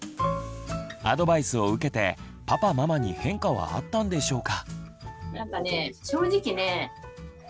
アドバイスを受けてパパママに変化はあったんでしょうか。